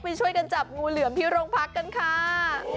ช่วยกันจับงูเหลือมที่โรงพักกันค่ะ